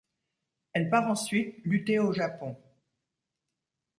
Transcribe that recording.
Elle part ensuite lutter au Japon.